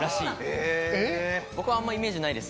・へぇ・僕はあんまイメージないです。